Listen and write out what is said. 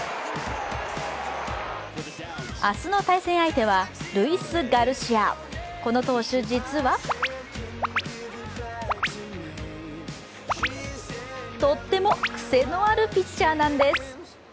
明日の対戦相手はルイス・ガルシアこの投手、実はとっても癖のあるピッチャーなんです。